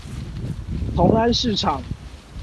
同安市場